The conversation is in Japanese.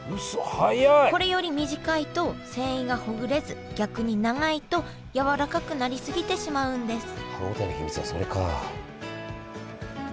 これより短いと繊維がほぐれず逆に長いとやわらかくなりすぎてしまうんです